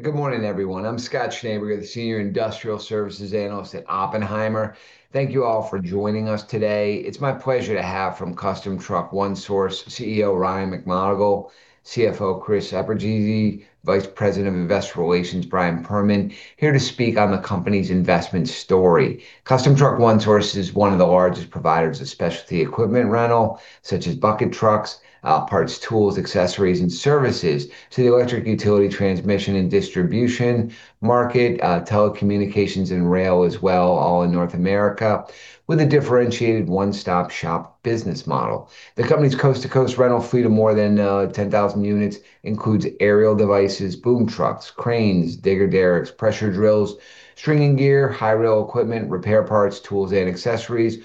Good morning, everyone. I'm Scott Schneeberger, the Senior Industrial Services Analyst at Oppenheimer. Thank you all for joining us today. It's my pleasure to have from Custom Truck One Source, CEO Ryan McMonagle, CFO Chris Eperjesy, Vice President of Investor Relations Brian Perman, here to speak on the company's investment story. Custom Truck One Source is one of the largest providers of specialty equipment rental, such as bucket trucks, parts, tools, accessories, and services to the electric utility transmission and distribution market, telecommunications and rail as well, all in North America, with a differentiated one-stop shop business model. The company's coast-to-coast rental fleet of more than 10,000 units includes aerial devices, boom trucks, cranes, digger derricks, pressure drills, stringing gear, high rail equipment, repair parts, tools and accessories.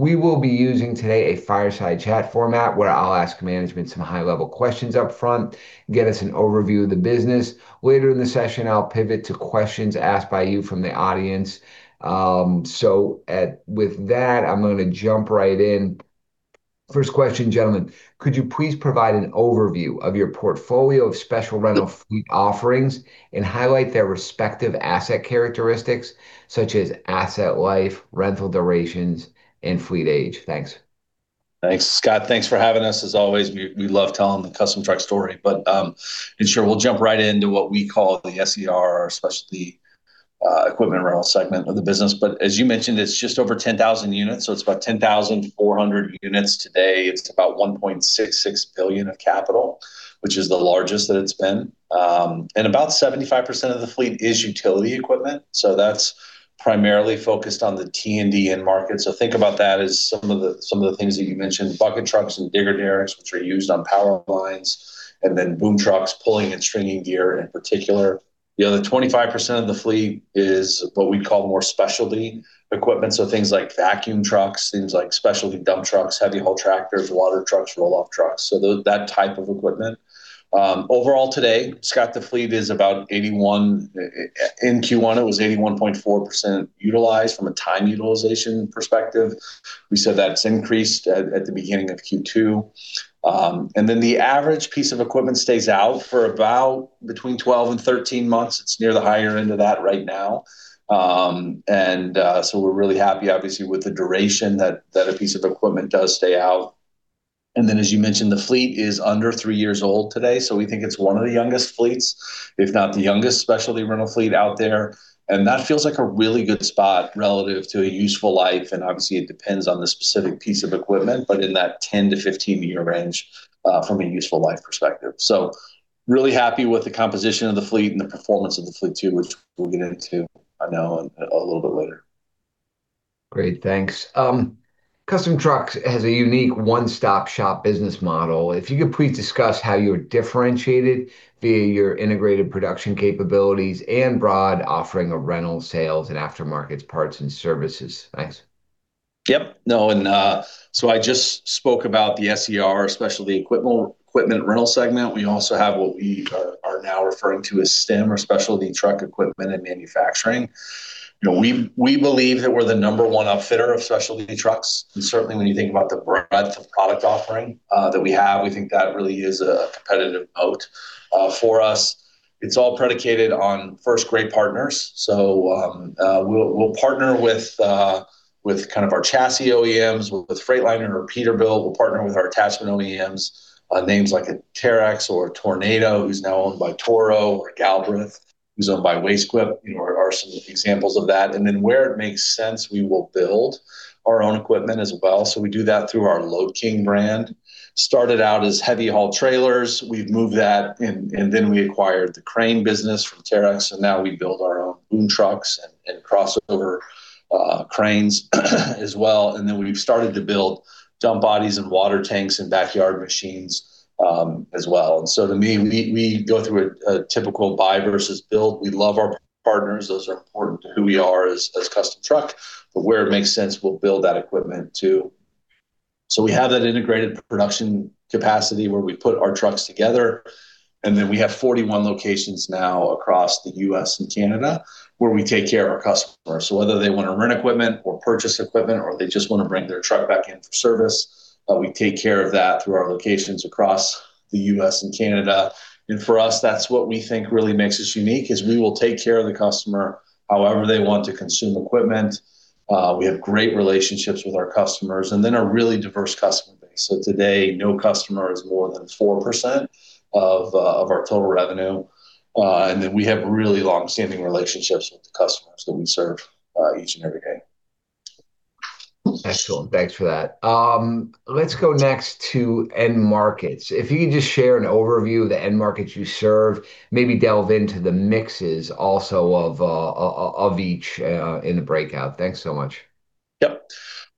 We will be using today a fireside chat format, where I'll ask management some high-level questions up front, get us an overview of the business. Later in the session, I'll pivot to questions asked by you from the audience. With that, I'm gonna jump right in. First question, gentlemen. Could you please provide an overview of your portfolio of special rental fleet offerings and highlight their respective asset characteristics, such as asset life, rental durations, and fleet age? Thanks. Thanks, Scott. Thanks for having us, as always. We love telling the Custom Truck story. Sure, we'll jump right into what we call the SER, or Specialty Equipment Rental segment of the business. As you mentioned, it's just over 10,000 units, so it's about 10,400 units today. It's about $1.66 billion of capital, which is the largest that it's been. About 75% of the fleet is utility equipment, so that's primarily focused on the T&D end market. Think about that as some of the things that you mentioned, Bucket Trucks and Digger Derricks, which are used on power lines, and then Boom Trucks pulling and Stringing Gear in particular. The other 25% of the fleet is what we call more specialty equipment, so things like vacuum trucks, things like specialty dump trucks, heavy haul tractors, water trucks, roll-off trucks. That type of equipment. Overall today, Scott, the fleet is about 81%. In Q1, it was 81.4% utilized from a time utilization perspective. We said that it's increased at the beginning of Q2. And then the average piece of equipment stays out for about between 12 and 13 months. It's near the higher end of that right now. We're really happy obviously with the duration that a piece of equipment does stay out. And then as you mentioned, the fleet is under three years old today, so we think it's one of the youngest fleets, if not the youngest specialty rental fleet out there. That feels like a really good spot relative to a useful life, and obviously it depends on the specific piece of equipment, in that 10-year to 15-year range from a useful life perspective. Really happy with the composition of the fleet and the performance of the fleet too, which we'll get into now and a little bit later. Great. Thanks. Custom Truck has a unique one-stop shop business model. If you could please discuss how you're differentiated via your integrated production capabilities and broad offering of rental sales and aftermarket parts and services. Thanks. Yep. No, I just spoke about the SER, Specialty Equipment Rental segment. We also have what we are now referring to as STEM, or Specialty Truck Equipment and Manufacturing. You know, we believe that we're the number one outfitter of specialty trucks, certainly when you think about the breadth of product offering that we have, we think that really is a competitive moat all for us. It's all predicated on first-rate partners. We'll partner with kind of our chassis OEMs, with Freightliner or Peterbilt. We'll partner with our attachment OEMs, names like a Terex or a Tornado, who's now owned by Toro, or a Galbreath, who's owned by Wastequip, you know, are some examples of that. Where it makes sense, we will build our own equipment as well. We do that through our Lode King brand. Started out as heavy haul trailers. We've moved that and then we acquired the crane business from Terex, and now we build our own boom trucks and crossover cranes as well. Then we've started to build dump bodies and water tanks and backyard machines as well. To me, we go through a typical buy versus build. We love our partners. Those are important to who we are as Custom Truck. Where it makes sense, we'll build that equipment too. We have that integrated production capacity where we put our trucks together, and then we have 41 locations now across the U.S. and Canada where we take care of our customers. Whether they wanna rent equipment or purchase equipment, or they just wanna bring their truck back in for service, we take care of that through our locations across the U.S. and Canada. For us, that's what we think really makes us unique, is we will take care of the customer however they want to consume equipment. We have great relationships with our customers, a really diverse customer base. Today, no customer is more than 4% of our total revenue. We have really long-standing relationships with the customers that we serve each and every day. Excellent. Thanks for that. Let's go next to end markets. If you could just share an overview of the end markets you serve, maybe delve into the mixes also of each in the breakout. Thanks so much. Yep.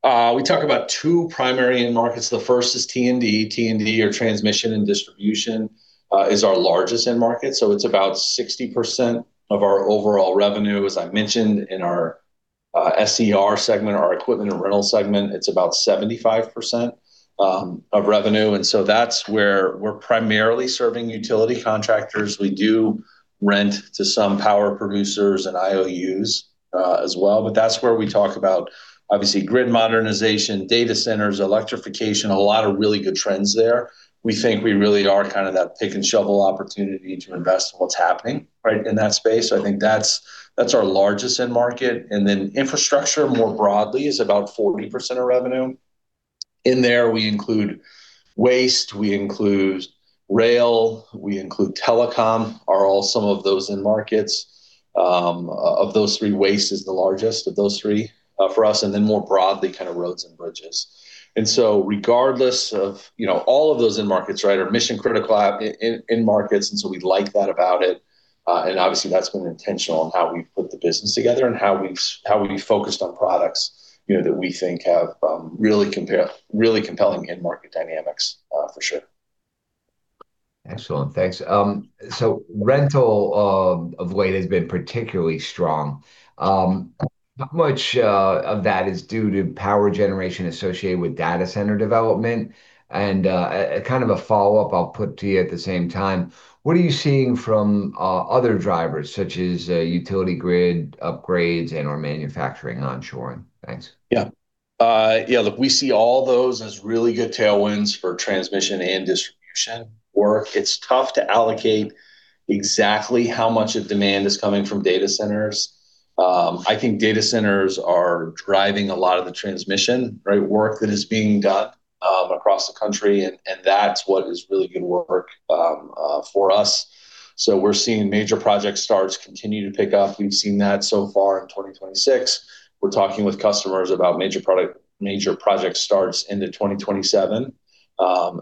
We talk about two primary end markets. The first is T&D. T&D, or Transmission and Distribution, is our largest end market. It's about 60% of our overall revenue. As I mentioned in our SER segment, our Equipment and Rental segment, it's about 75% of revenue. That's where we're primarily serving utility contractors. We do rent to some power producers and IOUs as well. That's where we talk about obviously grid modernization, data centers, electrification, a lot of really good trends there. We think we really are kind of that pick and shovel opportunity to invest in what's happening, right, in that space. I think that's our largest end market. Infrastructure more broadly is about 40% of revenue. In there, we include waste, we include rail, we include telecom, are all some of those end markets. Of those three, waste is the largest of those three for us, and then more broadly kind of roads and bridges. And so regardless of, you know, all of those end markets, right, are mission-critical end markets, and so we like that about it. Obviously that's been intentional in how we've put the business together and how we've focused on products, you know, that we think have really compelling end market dynamics for sure. Excellent. Thanks. Rental of weight has been particularly strong. How much of that is due to power generation associated with data center development? A kind of a follow-up I'll put to you at the same time, what are you seeing from other drivers such as utility grid upgrades and/or manufacturing onshoring? Thanks. We see all those as really good tailwinds for transmission and distribution work. It's tough to allocate exactly how much of demand is coming from data centers. I think data centers are driving a lot of the transmission work that is being done across the country and that's what is really good work for us. We're seeing major project starts continue to pick up. We've seen that so far in 2026. We're talking with customers about major project starts into 2027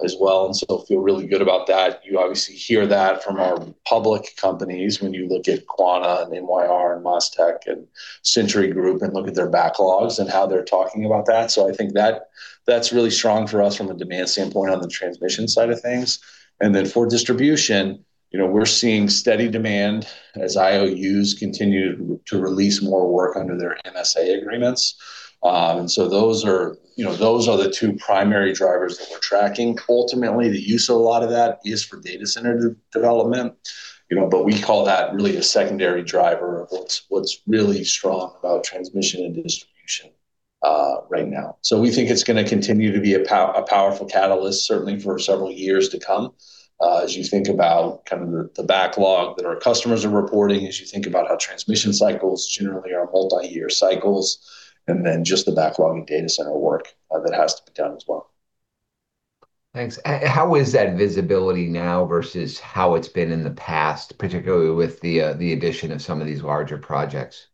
as well, feel really good about that. You obviously hear that from our public companies when you look at Quanta and MYR Group and MasTec and Centuri Group and look at their backlogs and how they're talking about that. I think that's really strong for us from a demand standpoint on the transmission side of things. For distribution, you know, we're seeing steady demand as IOUs continue to release more work under their MSA agreements. Those are, you know, those are the two primary drivers that we're tracking. Ultimately, the use of a lot of that is for data center development, you know, but we call that really a secondary driver of what's really strong about transmission and distribution right now. We think it's gonna continue to be a powerful catalyst certainly for several years to come, as you think about kind of the backlog that our customers are reporting, as you think about how transmission cycles generally are multiyear cycles, and then just the backlog in data center work that has to be done as well. Thanks. How is that visibility now versus how it's been in the past, particularly with the addition of some of these larger projects?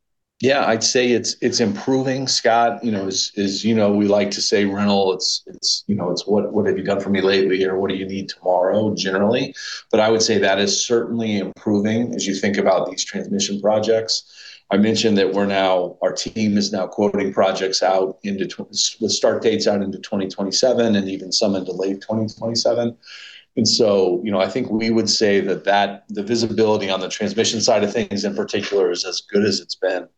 I'd say it's improving, Scott. You know, as you know, we like to say, rental, it's you know, what have you done for me lately, or what do you need tomorrow generally. I would say that is certainly improving as you think about these transmission projects. I mentioned that our team is now quoting projects out into with start dates out into 2027 and even some into late 2027. You know, I think we would say that the visibility on the transmission side of things in particular is as good as it's been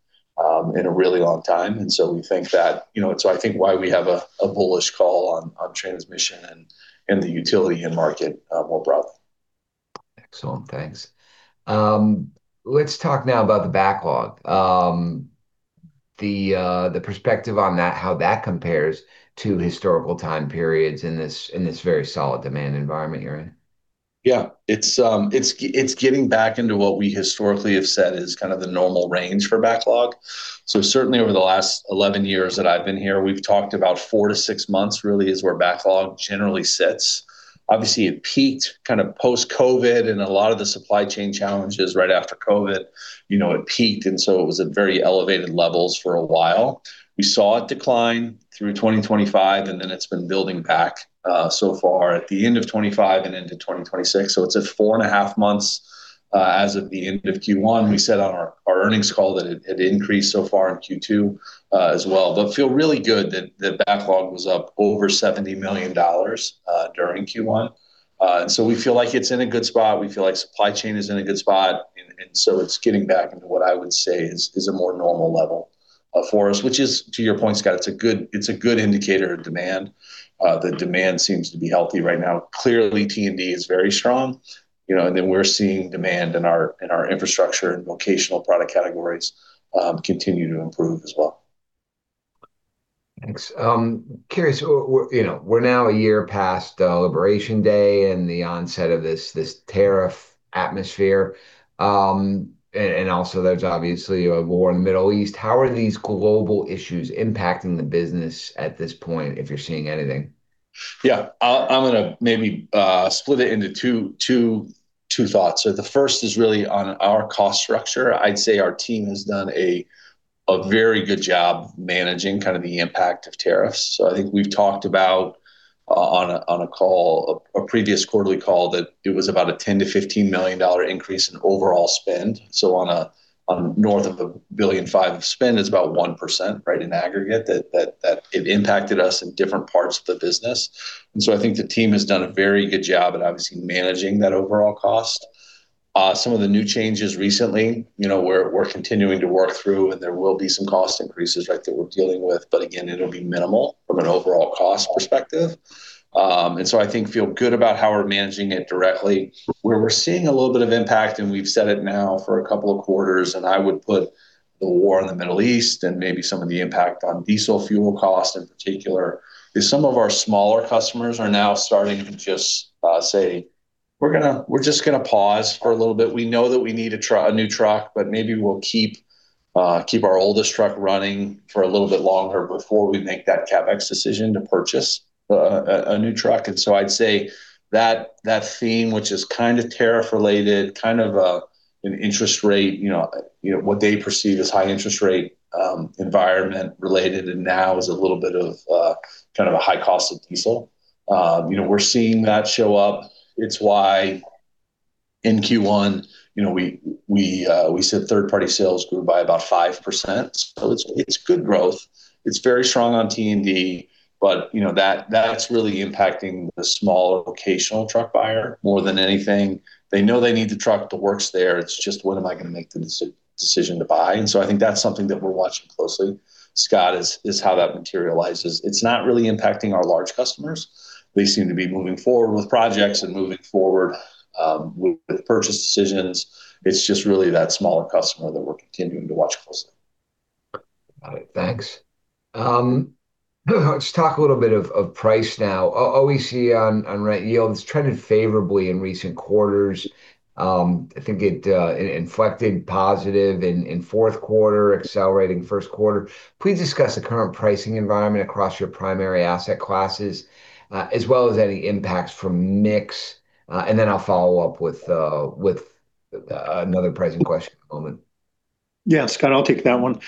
in a really long time. We think that, you know, it's I think why we have a bullish call on transmission and the utility end market more broadly. Excellent. Thanks. let's talk now about the backlog. the perspective on that, how that compares to historical time periods in this, in this very solid demand environment you're in? It's getting back into what we historically have said is kind of the normal range for backlog. Certainly over the last 11 years that I've been here, we've talked about four to six months really is where backlog generally sits. Obviously, it peaked kind of post-COVID and a lot of the supply chain challenges right after COVID. You know, it peaked, it was at very elevated levels for a while. We saw it decline through 2025, it's been building back so far at the end of 2025 and into 2026. It's at 4.5 months as of the end of Q1. We said on our earnings call that it had increased so far in Q2 as well. Feel really good that the backlog was up over $70 million during Q1. We feel like it's in a good spot. We feel like supply chain is in a good spot and so it's getting back into what I would say is a more normal level for us, which is, to your point, Scott, it's a good indicator of demand. The demand seems to be healthy right now. Clearly, T&D is very strong, you know, and then we're seeing demand in our infrastructure and vocational product categories continue to improve as well. Thanks. Curious, you know, we're now a year past Liberation Day and the onset of this tariff atmosphere. Also there's obviously a war in the Middle East. How are these global issues impacting the business at this point, if you're seeing anything? Yeah. I'm gonna maybe split it into two thoughts. The first is really on our cost structure. I'd say our team has done a very good job managing kind of the impact of tariffs. I think we've talked about on a call, a previous quarterly call, that it was about a $10 million-$15 million increase in overall spend. On north of a $1.5 billion of spend, it's about 1%, right, in aggregate that it impacted us in different parts of the business. I think the team has done a very good job at obviously managing that overall cost. Some of the new changes recently, you know, we're continuing to work through, and there will be some cost increases, right, that we're dealing with. Again, it'll be minimal from an overall cost perspective. I think feel good about how we're managing it directly. Where we're seeing a little bit of impact, we've said it now for a couple of quarters, I would put the war in the Middle East and maybe some of the impact on diesel fuel costs in particular, is some of our smaller customers are now starting to just say, we're just gonna pause for a little bit. We know that we need a new truck, but maybe we'll keep our oldest truck running for a little bit longer before we make that CapEx decision to purchase a new truck. I'd say that theme, which is kind of tariff related, kind of an interest rate, you know, what they perceive as high interest rate environment related, and now is a little bit of kind of a high cost of diesel. You know, we're seeing that show up. It's why in Q1, you know, we said third-party sales grew by about 5%, so it's good growth. It's very strong on T&D, but, you know, that's really impacting the smaller occasional truck buyer more than anything. They know they need the truck, the work's there, it's just when am I gonna make the decision to buy? I think that's something that we're watching closely, Scott, is how that materializes. It's not really impacting our large customers. They seem to be moving forward with projects and moving forward with purchase decisions. It's just really that smaller customer that we're continuing to watch closely. Got it. Thanks. Let's talk a little bit of price now. OEC on rent yields trended favorably in recent quarters. I think it inflected positive in fourth quarter, accelerating first quarter. Please discuss the current pricing environment across your primary asset classes, as well as any impacts from mix. Then I'll follow up with another pricing question in a moment. Yeah, Scott, I'll take that one.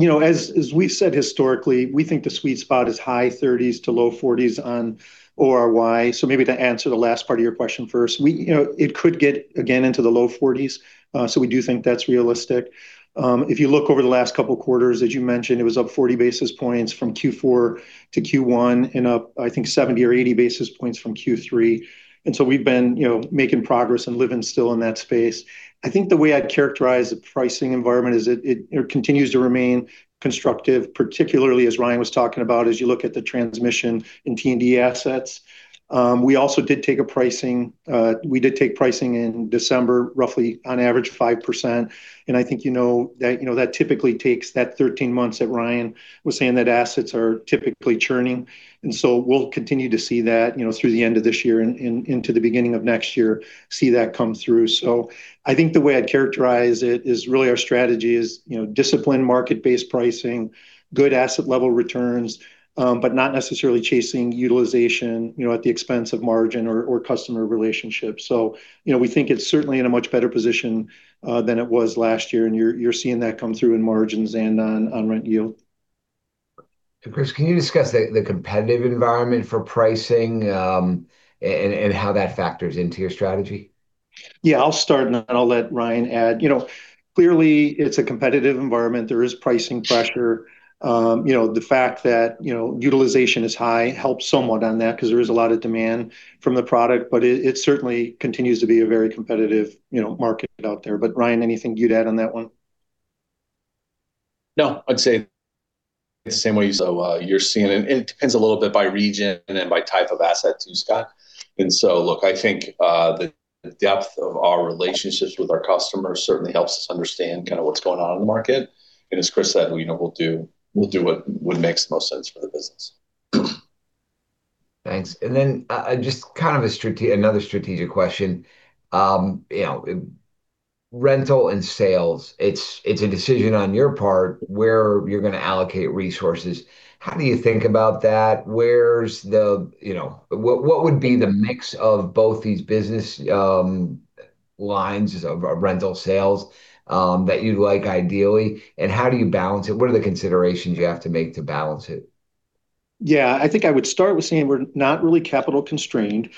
You know, as we've said historically, we think the sweet spot is high 30s to low 40s on ORY. Maybe to answer the last part of your question first, we, you know, it could get again into the low 40s, so we do think that's realistic. If you look over the last couple quarters, as you mentioned, it was up 40 basis points from Q4 to Q1 and up, I think 70 or 80 basis points from Q3. We've been, you know, making progress and living still in that space. I think the way I'd characterize the pricing environment is it, you know, continues to remain constructive, particularly as Ryan was talking about as you look at the transmission in T&D assets. We also did take a pricing, we did take pricing in December, roughly on average 5%. I think, you know, that, you know, that typically takes that 13 months that Ryan was saying that assets are typically churning. We'll continue to see that, you know, through the end of this year and into the beginning of next year, see that come through. I think the way I'd characterize it is really our strategy is, you know, disciplined market-based pricing, good asset level returns, but not necessarily chasing utilization, you know, at the expense of margin or customer relationships. You know, we think it's certainly in a much better position than it was last year, and you're seeing that come through in margins and on rent yield. Chris, can you discuss the competitive environment for pricing, and how that factors into your strategy? I'll start and then I'll let Ryan add. You know, clearly it's a competitive environment. There is pricing pressure. You know, the fact that, you know, utilization is high helps somewhat on that because there is a lot of demand from the product, but it certainly continues to be a very competitive, you know, market out there. Ryan, anything you'd add on that one? No. I'd say the same way as you're seeing. It depends a little bit by region and by type of asset too, Scott. And so, I think the depth of our relationships with our customers certainly helps us understand kind of what's going on in the market. As Chris said, you know, we'll do what makes the most sense for the business. Thanks. Just kind of another strategic question. You know, rental and sales, it's a decision on your part where you're gonna allocate resources. How do you think about that? Where's the, you know, what would be the mix of both these business lines of rental sales that you'd like ideally, and how do you balance it? What are the considerations you have to make to balance it? I think I would start with saying we're not really capital constrained,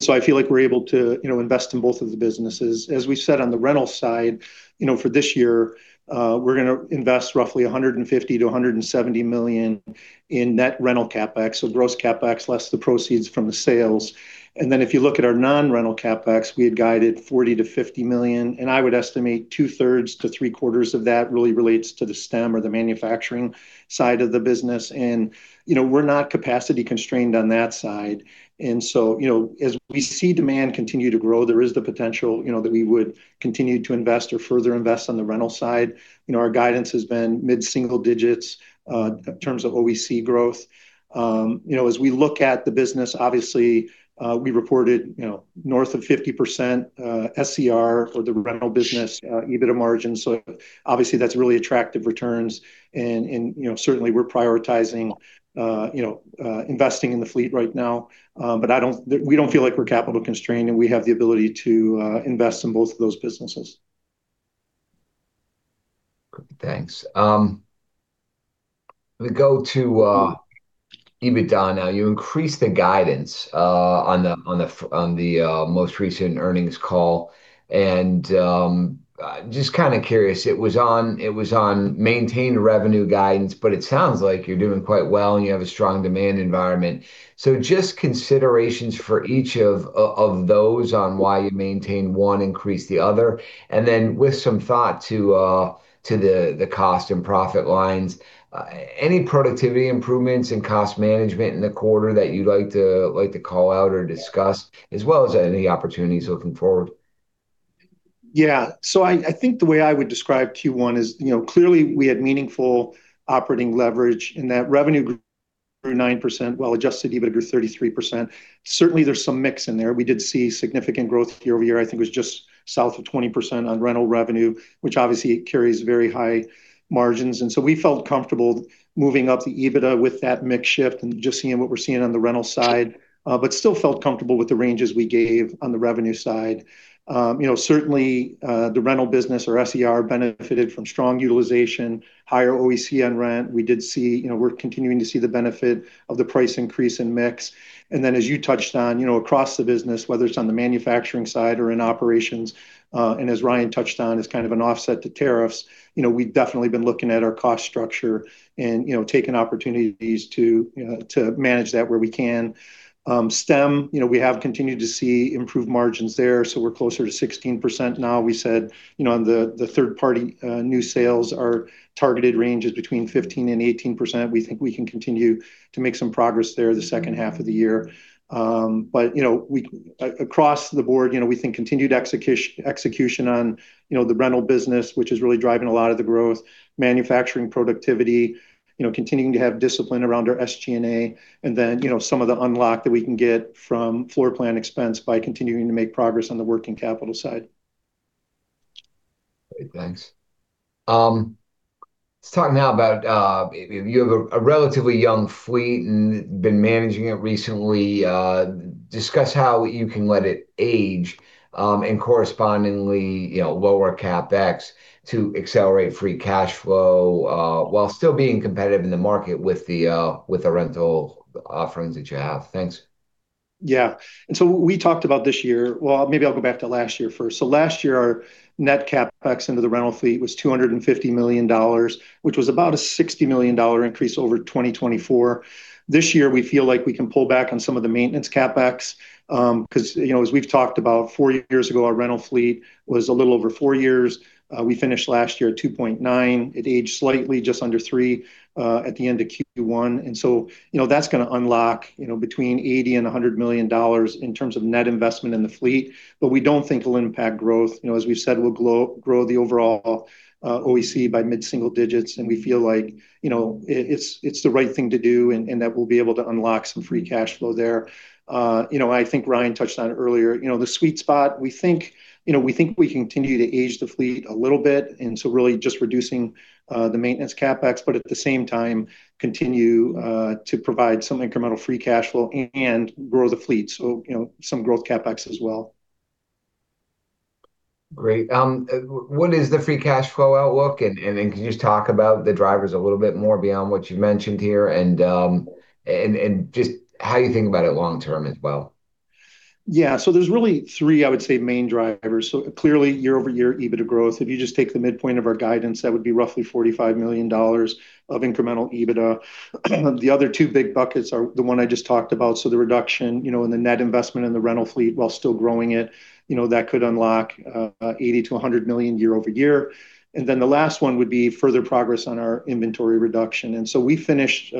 so I feel like we're able to, you know, invest in both of the businesses. As we said on the rental side, you know, for this year, we're going to invest roughly $150 million-$170 million in net rental CapEx, so gross CapEx less the proceeds from the sales. If you look at our non-rental CapEx, we had guided $40 million-$50 million, and I would estimate 2/3 to three quarters of that really relates to the STEM or the manufacturing side of the business. You know, we're not capacity constrained on that side. You know, as we see demand continue to grow, there is the potential, you know, that we would continue to invest or further invest on the rental side. You know, our guidance has been mid-single digits in terms of OEC growth. You know, as we look at the business, obviously, we reported, you know, north of 50% DSCR for the rental business, EBITDA margin, obviously that's really attractive returns. Certainly we're prioritizing, you know, investing in the fleet right now. We don't feel like we're capital constrained, and we have the ability to invest in both of those businesses. Good. Thanks. I'm gonna go to EBITDA now. You increased the guidance on the, on the most recent earnings call. Just kind of curious, it was on maintained revenue guidance, but it sounds like you're doing quite well and you have a strong demand environment. Just considerations for each of those on why you maintain one, increase the other. Then with some thought to the cost and profit lines, any productivity improvements in cost management in the quarter that you'd like to call out or discuss, as well as any opportunities looking forward? Yeah. I think the way I would describe Q1 is, you know, clearly we had meaningful operating leverage in that revenue grew 9%, while adjusted EBITDA grew 33%. Certainly there's some mix in there. We did see significant growth year-over-year. I think it was just south of 20% on rental revenue, which obviously carries very high margins. We felt comfortable moving up the EBITDA with that mix shift and just seeing what we're seeing on the rental side, but still felt comfortable with the ranges we gave on the revenue side. You know, certainly, the rental business or SER benefited from strong utilization, higher OEC on rent. You know, we're continuing to see the benefit of the price increase in mix. As you touched on, you know, across the business, whether it's on the manufacturing side or in operations, and as Ryan touched on, as kind of an offset to tariffs, you know, we've definitely been looking at our cost structure and, you know, taking opportunities to manage that where we can. STEM, you know, we have continued to see improved margins there, so we're closer to 16% now. We said, you know, on the third party, new sales, our targeted range is between 15% and 18%. We think we can continue to make some progress there the second half of the year. You know, across the board, you know, we think continued execution on, you know, the rental business, which is really driving a lot of the growth, manufacturing productivity, you know, continuing to have discipline around our SG&A, some of the unlock that we can get from floor plan expense by continuing to make progress on the working capital side. Great. Thanks. Let's talk now about, you have a relatively young fleet and been managing it recently. Discuss how you can let it age, and correspondingly, you know, lower CapEx to accelerate free cash flow, while still being competitive in the market with the rental offerings that you have. Thanks. Yeah. We talked about this year, maybe I'll go back to last year first. Last year, our net CapEx into the rental fleet was $250 million, which was about a $60 million increase over 2024. This year, we feel like we can pull back on some of the maintenance CapEx, 'cause, you know, as we've talked about, four years ago, our rental fleet was a little over four years. We finished last year at 2.9. It aged slightly, just under three, at the end of Q1. You know, that's gonna unlock, you know, between $80 million and $100 million in terms of net investment in the fleet, but we don't think it'll impact growth. You know, as we've said, we'll grow the overall OEC by mid-single digits, and we feel like, you know, it's the right thing to do and that we'll be able to unlock some free cash flow there. You know, I think Ryan touched on it earlier. You know, the sweet spot, we think, you know, we think we continue to age the fleet a little bit, and so really just reducing the maintenance CapEx, but at the same time, continue to provide some incremental free cash flow and grow the fleet. You know, some growth CapEx as well. Great. What is the free cash flow outlook? Then can you just talk about the drivers a little bit more beyond what you've mentioned here and just how you think about it long term as well? Yeah. There's really three, I would say, main drivers. Clearly year-over-year EBITDA growth. If you just take the midpoint of our guidance, that would be roughly $45 million of incremental EBITDA. The other two big buckets are the one I just talked about, the reduction, you know, in the net investment in the rental fleet while still growing it. You know, that could unlock $80 million-$100 million year-over-year. The last one would be further progress on our inventory reduction. We finished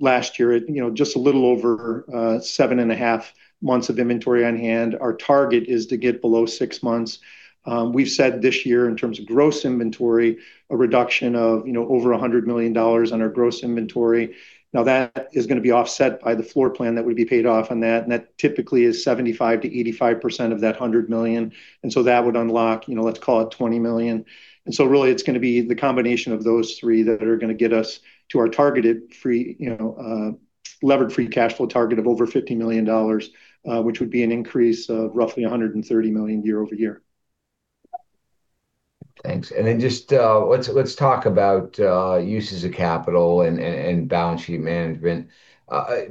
last year at, you know, just a little over 7.5 months of inventory on hand. Our target is to get below six months. We've said this year, in terms of gross inventory, a reduction of, you know, over $100 million on our gross inventory. That is gonna be offset by the floor plan that would be paid off on that, and that typically is 75%-85% of that $100 million. That would unlock, you know, let's call it $20 million. Really it's gonna be the combination of those three that are gonna get us to our targeted free, you know, levered free cash flow target of over $50 million, which would be an increase of roughly $130 million year-over-year. Thanks. Just, let's talk about uses of capital and balance sheet management.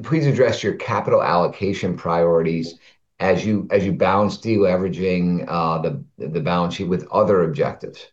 Please address your capital allocation priorities as you balance deleveraging, the balance sheet with other objectives.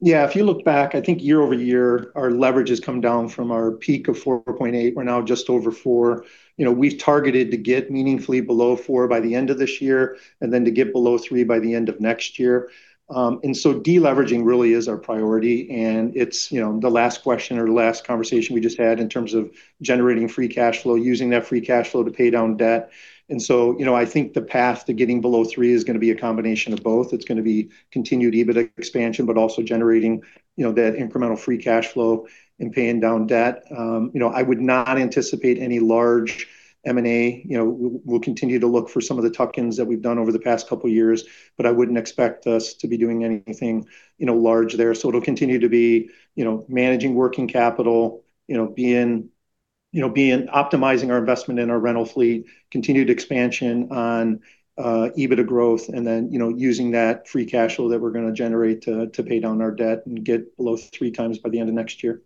Yeah. If you look back, I think year-over-year, our leverage has come down from our peak of 4.8. We're now just over four. You know, we've targeted to get meaningfully below four by the end of this year, and then to get below three by the end of next year. Deleveraging really is our priority, and it's, you know, the last question or last conversation we just had in terms of generating free cash flow, using that free cash flow to pay down debt. You know, I think the path to getting below three is gonna be a combination of both. It's gonna be continued EBITDA expansion, but also generating, you know, that incremental free cash flow and paying down debt. You know, I would not anticipate any large M&A. You know, we'll continue to look for some of the tuck-ins that we've done over the past couple years, but I wouldn't expect us to be doing anything, you know, large there. It'll continue to be, you know, managing working capital, you know, being optimizing our investment in our rental fleet, continued expansion on EBITDA growth, and then, you know, using that free cash flow that we're gonna generate to pay down our debt and get below three times by the end of next year.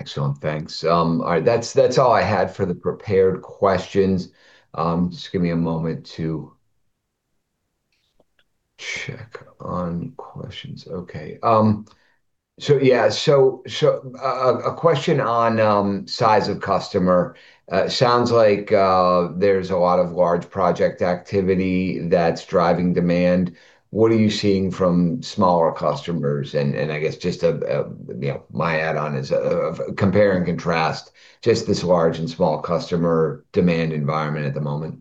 Excellent, thanks. All right, that's all I had for the prepared questions. Just give me a moment to check on questions. Okay. A question on size of customer. Sounds like there's a lot of large project activity that's driving demand. What are you seeing from smaller customers? I guess just a, you know, my add-on is of compare and contrast just this large and small customer demand environment at the moment.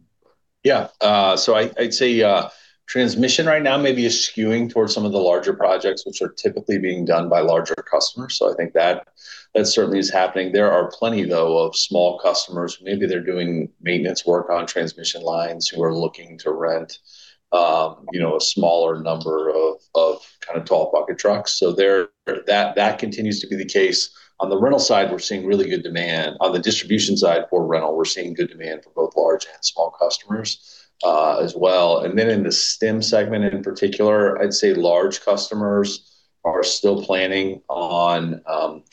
I'd say transmission right now maybe is skewing towards some of the larger projects, which are typically being done by larger customers. I think that certainly is happening. There are plenty though of small customers, maybe they're doing maintenance work on transmission lines, who are looking to rent, you know, a smaller number of kind of tall bucket trucks. That continues to be the case. On the rental side, we're seeing really good demand. On the distribution side for rental, we're seeing good demand for both large and small customers, as well. In the STEM segment in particular, I'd say large customers are still planning on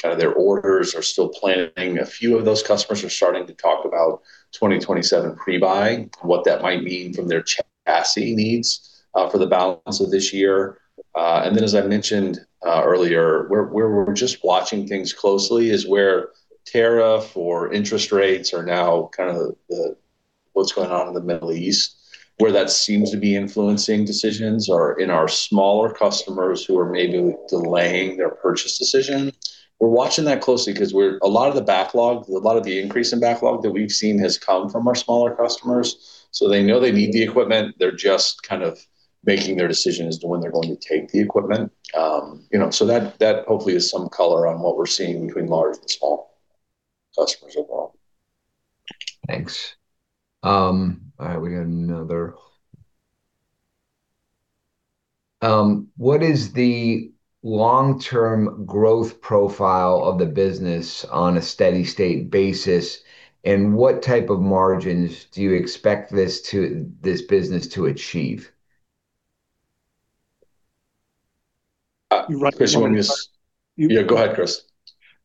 kind of their orders. A few of those customers are starting to talk about 2027 pre-buy and what that might mean from their chassis needs for the balance of this year. As I mentioned earlier, where we're just watching things closely is where tariff or interest rates are now kind of the what's going on in the Middle East, where that seems to be influencing decisions or in our smaller customers who are maybe delaying their purchase decision. We're watching that closely 'cause a lot of the backlog, a lot of the increase in backlog that we've seen has come from our smaller customers. They know they need the equipment, they're just kind of making their decision as to when they're going to take the equipment. You know, that hopefully is some color on what we're seeing between large and small customers involved. Thanks. All right, we got another. What is the long-term growth profile of the business on a steady state basis, and what type of margins do you expect this business to achieve? Uh, this one is. You right. Yeah, go ahead, Chris.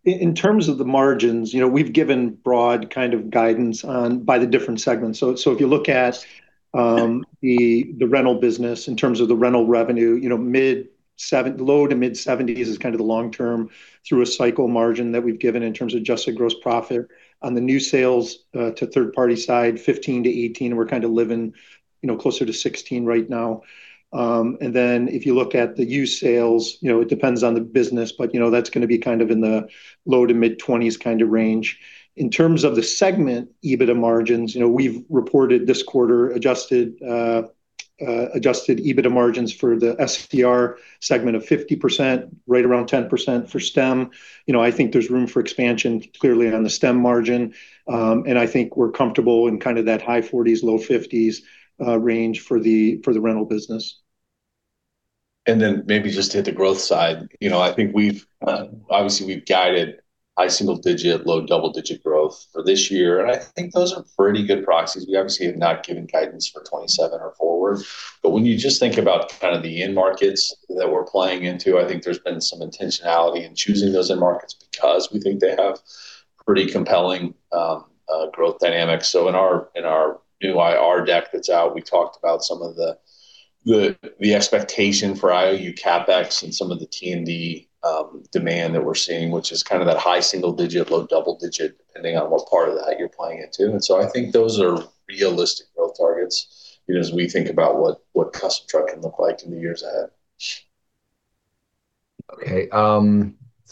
In terms of the margins, you know, we've given broad kind of guidance on by the different segments. If you look at the rental business in terms of the rental revenue, you know, low to mid-70s is kind of the long term through a cycle margin that we've given in terms of adjusted gross profit. On the new sales to third party side, 15%-18%, we're kind of living, you know, closer to 16% right now. If you look at the used sales, you know, it depends on the business, but, you know, that's gonna be kind of in the low to mid-20s kind of range. In terms of the segment EBITDA margins, you know, we've reported this quarter adjusted EBITDA margins for the SER segment of 50%, right around 10% for STEM. You know, I think there's room for expansion clearly on the STEM margin. I think we're comfortable in kind of that high 40s, low 50s range for the rental business. Maybe just to hit the growth side. You know, I think we've obviously we've guided high single-digit, low double-digit growth for this year, and I think those are pretty good proxies. We obviously have not given guidance for 2027 or forward. When you just think about kind of the end markets that we're playing into, I think there's been some intentionality in choosing those end markets because we think they have pretty compelling growth dynamics. In our, in our new IR deck that's out, we talked about some of the, the expectation for IOU CapEx and some of the T&D demand that we're seeing, which is kind of that high single-digit, low double-digit, depending on what part of that you're playing into. I think those are realistic growth targets, you know, as we think about what Custom Truck can look like in the years ahead. Okay.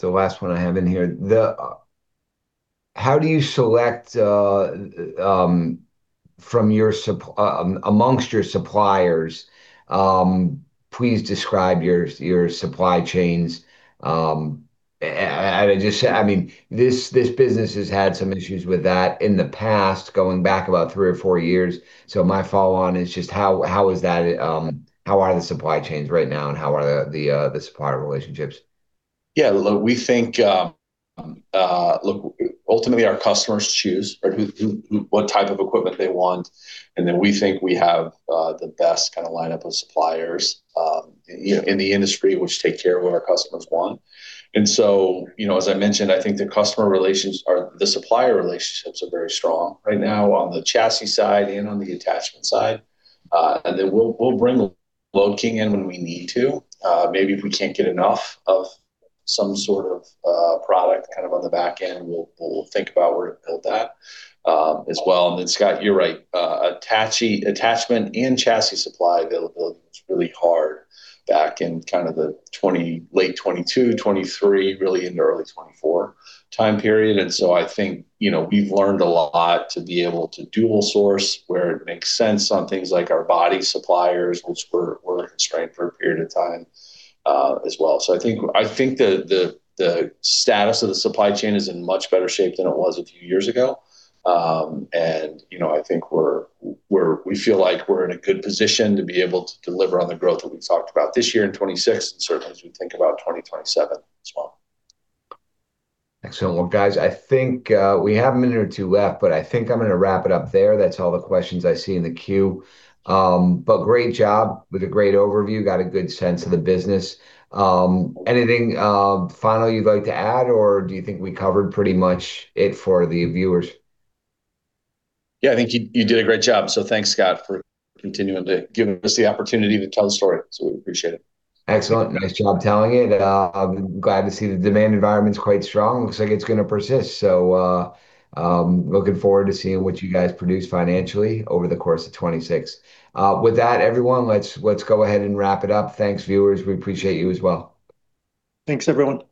Last one I have in here. How do you select amongst your suppliers? Please describe your supply chains. I mean, this business has had some issues with that in the past, going back about three or four years. My follow on is just how is that, how are the supply chains right now and how are the supplier relationships? Yeah, look, we think, look, ultimately our customers choose or who, what type of equipment they want, and then we think we have the best kind of lineup of suppliers in the industry which take care of what our customers want. You know, as I mentioned, I think the supplier relationships are very strong right now on the chassis side and on the attachment side. We'll, we'll bring the loading in when we need to. Maybe if we can't get enough of some sort of product kind of on the back end, we'll think about where to build that as well. Scott, you're right, attachment and chassis supply availability was really hard back in kind of the 2020, late 2022, 2023, really into early 2024 time period. I think, you know, we've learned a lot to be able to dual source where it makes sense on things like our body suppliers, which were constrained for a period of time as well. I think the status of the supply chain is in much better shape than it was a few years ago. You know, I think we feel like we're in a good position to be able to deliver on the growth that we talked about this year in 2026, and certainly as we think about 2027 as well. Excellent. Well, guys, I think we have a minute or two left, but I think I'm gonna wrap it up there. That's all the questions I see in the queue. Great job with a great overview. Got a good sense of the business. Anything final you'd like to add, or do you think we covered pretty much it for the viewers? Yeah, I think you did a great job. Thanks, Scott, for continuing to give us the opportunity to tell the story. We appreciate it. Excellent. Nice job telling it. Glad to see the demand environment's quite strong. Looks like it's going to persist. Looking forward to seeing what you guys produce financially over the course of 2026. With that everyone, let's go ahead and wrap it up. Thanks, viewers. We appreciate you as well. Thanks, everyone. Thanks.